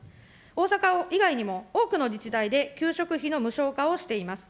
大阪以外にも、多くの自治体で給食費の無償化をしています。